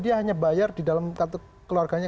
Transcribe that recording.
dia hanya bayar di dalam kartu keluarganya